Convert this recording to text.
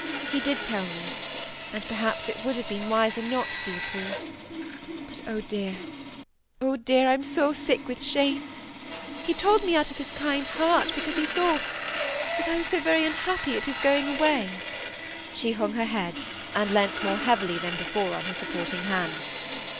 He did tell me, and perhaps it would have been wiser not, dear Paul! But—oh, dear! oh, dear! I am so sick with shame! He told me out of his kind heart, because he saw—that I was so very unhappy at his going away." She hung her head, and leant more heavily than before on her supporting hand.